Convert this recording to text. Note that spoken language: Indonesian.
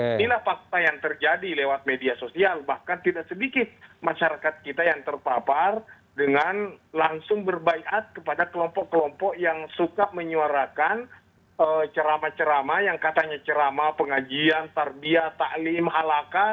inilah fakta yang terjadi lewat media sosial bahkan tidak sedikit masyarakat kita yang terpapar dengan langsung berbaiat kepada kelompok kelompok yang suka menyuarakan cerama cerama yang katanya cerama pengajian tarbiyah ta'lim halakah